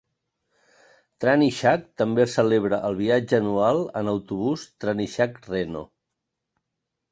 Trannyshack també celebra el viatge anual en autobús Trannyshack Reno.